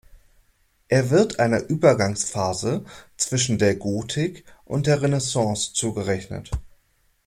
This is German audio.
Er wird einer Übergangsphase zwischen der Gotik und der Renaissance zugerechnet.